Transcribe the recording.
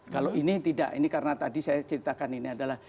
kalau ini tidak ini karena tadi saya ceritakan ini adalah